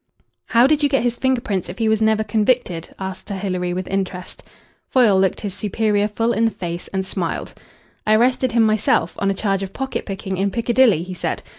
"How did you get his finger prints if he was never convicted?" asked Sir Hilary with interest. Foyle looked his superior full in the face and smiled. "I arrested him myself, on a charge of pocket picking in Piccadilly," he said.